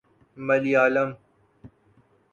Malayalam